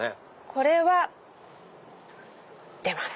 これは出ます。